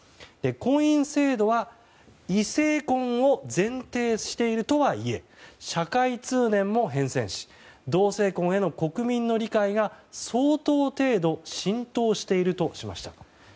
婚姻制度は異性婚を前提としているとはいえ社会通念も変遷し同性婚への国民の理解が相当程度浸透しているとしました。